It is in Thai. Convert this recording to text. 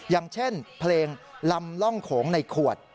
อย่างเช่นเพลงลำร่องโขงในขวด